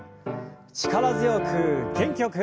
力強く元気よく。